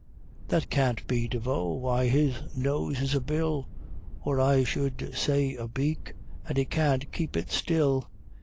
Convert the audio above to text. _ That can't be De Vaux why, his nose is a bill, Or, I would say a beak! and he can't keep it still!